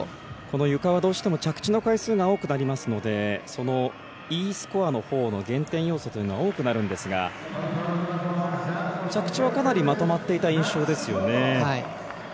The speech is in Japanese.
ゆかはどうしても着地の回数が多くなりますのでそのＥスコアのほうの減点要素というのは多くなるんですが着地は、かなりまとまっていた印象ですよね。